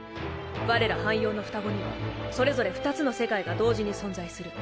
我ら半妖の双子にはそれぞれ２つの世界が同時に存在する。